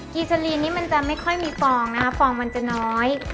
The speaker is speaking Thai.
ีซาลีนนี้มันจะไม่ค่อยมีฟองนะคะฟองมันจะน้อย